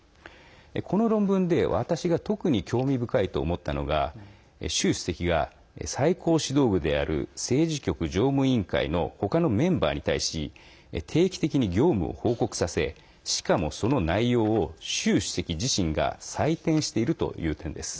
この論文で私が特に興味深いと思ったのが習主席が最高指導部である政治局常務委員会のほかのメンバーに対し定期的に業務を報告させしかも、その内容を習主席自身が採点しているという点です。